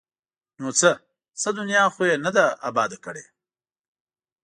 ـ نو څه؟ څه دنیا خو یې نه ده اباد کړې!